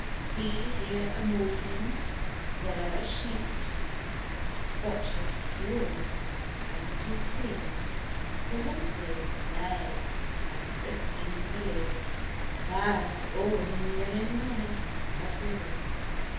See, here a maukin, there a sheet, As spotless pure, as it is sweet: The horses, mares, and frisking fillies, Clad, all, in linen white as lilies.